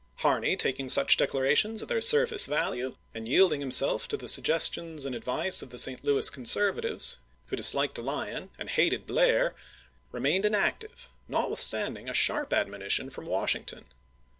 Harney, taking such declarations at their surface value, and yielding himself to the suggestions and advice of the St. Louis conserva MISSOUEI 221 tives who disliked Lyon and hated Blair, remained chap. xi. inactive, notwithstanding a sharp admonition from Washington.